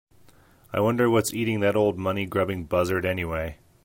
I wonder what's eating that old money grubbing buzzard anyway?